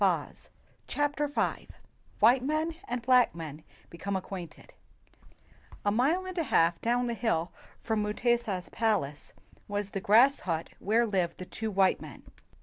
88 CHAPTER V WHITE MEN" AND BLACK MEN BECOME ACQUAINTED A MILE and a half down the hill from Mutesa's palace was the grass hut where lived the two white men.